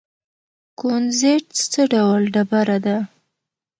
کونزیټ څه ډول ډبره ده؟